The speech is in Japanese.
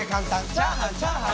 チャーハンチャーハン。